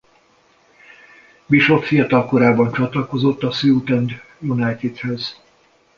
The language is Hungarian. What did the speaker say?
Bishop fiatal korában csatlakozott a Southend Unitedhez.